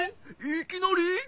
いきなり？